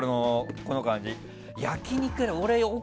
この感じ。